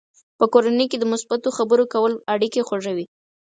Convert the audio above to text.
په کورنۍ کې د مثبتو خبرو کول اړیکې خوږوي.